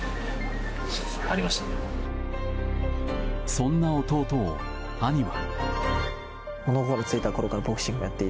そんな弟を、兄は。